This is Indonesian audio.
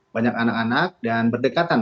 banyak anak anak dan berdekatan